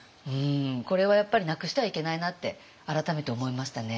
これはやっぱりなくしてはいけないなって改めて思いましたね。